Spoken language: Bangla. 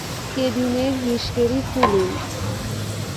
কেবিনের হিসকেড়ি খুলুন!